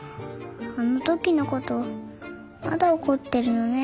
あの時のことまだ怒ってるのね。